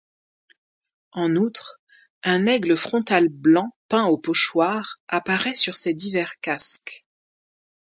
En outre, un aigle frontal blanc peint au pochoir apparaît sur ces divers casques.